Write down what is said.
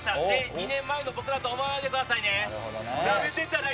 ２年前の僕だと思わないでくださいね